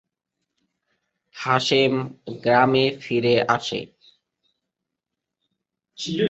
হাশেম গ্রামে ফিরে আসে।